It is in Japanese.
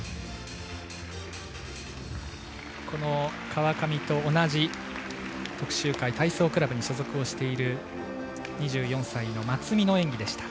川上と同じ徳洲会体操クラブに所属をしている２４歳の松見の演技でした。